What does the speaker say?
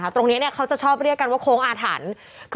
เขาจะชอบเรียกกันว่าโค้งอาถรรพ์